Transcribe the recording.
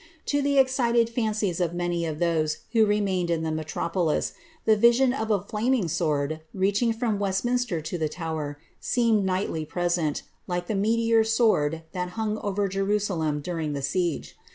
To the excited fancies of many of those who remained in the metropolis, the vision of a flaming sword, reaching from Westminster to the Tower, seemed nightly present, like the meteor sword that hung over Jerusalem during tlie siege.